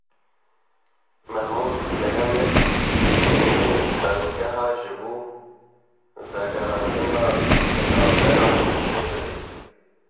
Mehmûd Mihemed divê bingeh ji bo vegerandina penaberan çêbibe.